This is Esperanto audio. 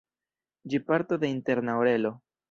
Ĝi parto de interna orelo.